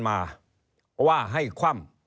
มาว่าให้คว่ำ